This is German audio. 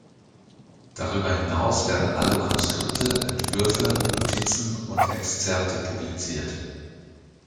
Darüber hinaus werden alle Manuskripte, Entwürfe, Notizen und Exzerpte publiziert.